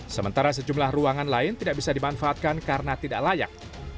sementara sejumlah ruangan lain tidak bisa dimanfaatkan karena tidak layak